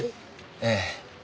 ええ。